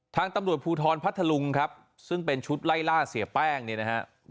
ทางตำรวจภูทรพัทธลุงครับซึ่งเป็นชุดไล่ล่าเสียแป้งเนี่ยนะฮะ